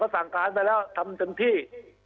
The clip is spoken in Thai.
เขาสั่งการไปแล้วทำจนที่